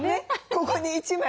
ここに１枚。